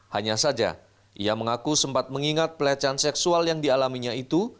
hanya saja ia mengaku sempat mengingat pelecehan seksual yang dialaminya itu